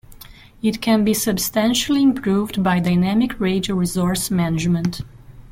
It can be substantially improved by dynamic radio resource management.